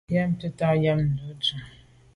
Nyam tà yàme à dum.